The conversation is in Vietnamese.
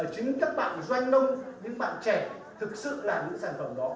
chính các bạn doanh nông những bạn trẻ thực sự làm những sản phẩm đó